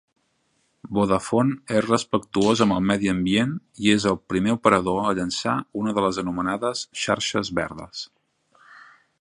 Vodafone és respectuós amb el medi ambient i és el primer operador a llançar una de les anomenades xarxes verdes.